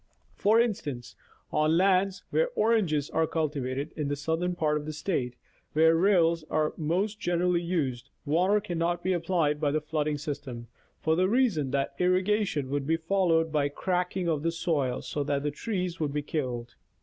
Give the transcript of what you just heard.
For instance, on lands where oranges are cultivated, in the southern part of the State, where rills are most generally used, water cannot be applied by the flooding system, for the reason that irrigation would be followed by ci acking of the soil, so that the trees would be killed.